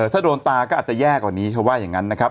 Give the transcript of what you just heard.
ถ้าโดนตาก็อาจจะแย่กว่านี้เขาว่าอย่างนั้นนะครับ